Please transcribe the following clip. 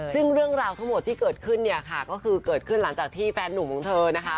ซึ่งเรื่องราวทั้งหมดที่เกิดขึ้นเนี่ยค่ะก็คือเกิดขึ้นหลังจากที่แฟนหนุ่มของเธอนะคะ